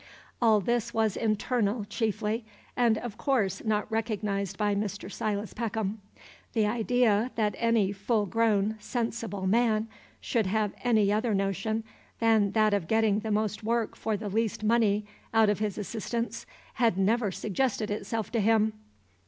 All this was internal, chiefly, and of course not recognized by Mr. Silas Peckham. The idea, that any full grown, sensible man should have any other notion than that of getting the most work for the least money out of his assistants, had never suggested itself to him.